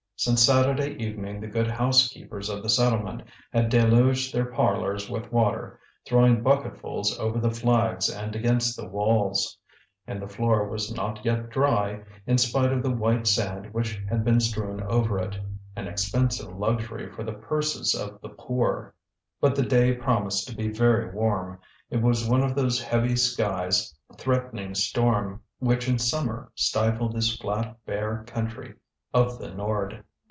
Since Saturday evening the good housekeepers of the settlement had deluged their parlours with water, throwing bucketfuls over the flags and against the walls; and the floor was not yet dry, in spite of the white sand which had been strewn over it, an expensive luxury for the purses of the poor. But the day promised to be very warm; it was one of those heavy skies threatening storm, which in summer stifle this flat bare country of the Nord.